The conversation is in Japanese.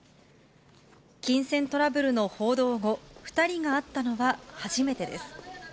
金銭トラブルの報道後、２人が会ったのは初めてです。